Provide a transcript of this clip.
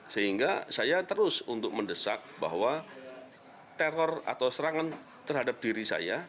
sehingga saya terus untuk mendesak bahwa teror atau serangan terhadap diri saya